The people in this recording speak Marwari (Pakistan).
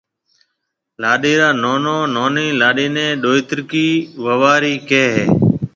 لاڏيَ را نونو نونِي لاڏيِ نَي ڏويترڪِي ووارِي ڪهيَ هيَ۔